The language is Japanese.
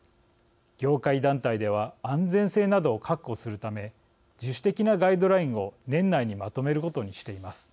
業界団体では安全性などを確保するため自主的なガイドラインを年内にまとめることにしています。